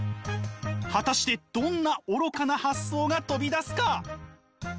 果たしてどんな愚かな発想が飛び出すか？